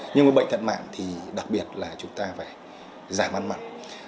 nhưng với bệnh thận mạng thì đặc biệt là chúng ta phải giảm ăn mặn